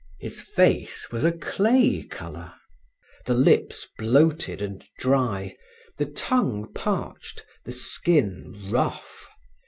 His face was a clay color, the lips bloated and dry, the tongue parched, the skin rough.